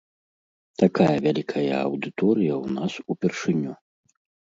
Такая вялікая аўдыторыя ў нас упершыню.